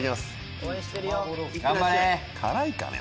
辛いかね？